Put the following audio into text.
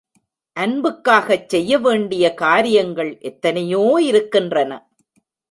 அன்புக்காகச் செய்ய வேண்டிய காரியங்கள் எத்தனையோ இருக்கின்றன.